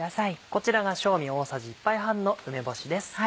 こちらが正味大さじ１杯半の梅干しです。